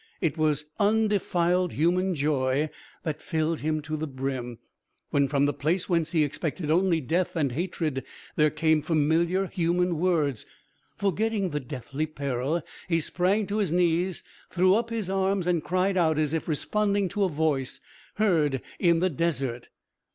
It was undefiled human joy that filled him to the brim, when from the place whence he expected only death and hatred there came familiar human words. Forgetting the deathly peril, he sprang to his knees, threw up his arms and cried out, as if responding to a voice heard in the desert.